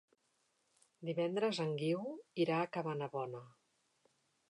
Divendres en Guiu irà a Cabanabona.